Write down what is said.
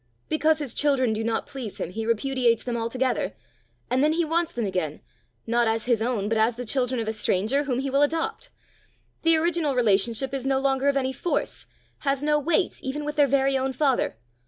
Because his children do not please him, he repudiates them altogether; and then he wants them again not as his own, but as the children of a stranger, whom he will adopt! The original relationship is no longer of any force has no weight even with their very own father!